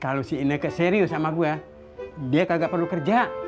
kalau si ineke serius sama gue dia kagak perlu kerja